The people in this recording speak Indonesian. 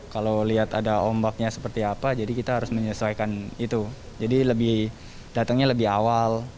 kalau lihat ada ombaknya seperti apa jadi kita harus menyesuaikan itu jadi datangnya lebih awal